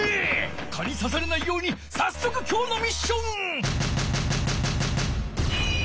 蚊にさされないようにさっそく今日のミッション！